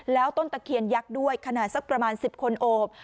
แล้วต้นตะเคียนยักษ์ด้วยขนาดสักประมาณ๑๐คนโอบ